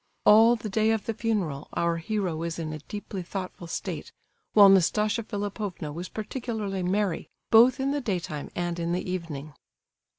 All the day of the funeral our hero was in a deeply thoughtful state, while Nastasia Philipovna was particularly merry, both in the daytime and in the evening.